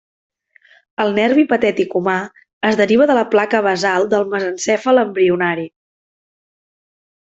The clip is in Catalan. El nervi patètic humà es deriva de la placa basal del mesencèfal embrionari.